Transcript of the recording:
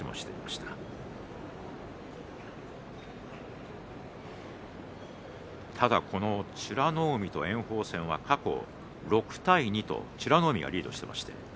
ただ美ノ海と炎鵬戦は過去６対２と美ノ海がリードしています。